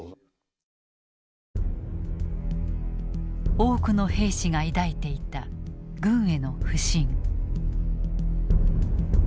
多くの兵士が抱いていた軍への不信。